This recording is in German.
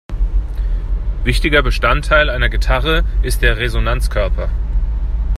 Wichtiger Bestandteil einer Gitarre ist der Resonanzkörper.